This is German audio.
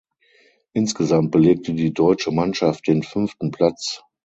Insgesamt belegte die deutsche Mannschaft den fünften Platz.